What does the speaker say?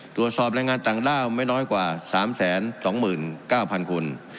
ตรวจสอบแรงงานต่างด้าวไม่น้อยกว่า๓๒๙๐๐คน